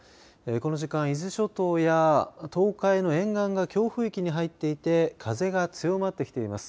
この時間、伊豆諸島や東海の沿岸が強風域に入っていて風が強まってきています。